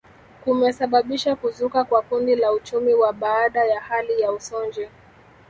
Kumesababisha kuzuka kwa kundi la uchumi wa baada ya hali ya usonji